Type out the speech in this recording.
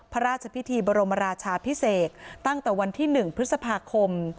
พระราชพิธีบรมราชาพิเศษตั้งแต่วันที่๑พฤษภาคม